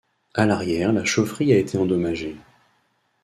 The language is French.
A l’arrière la chaufferie a été endommagée.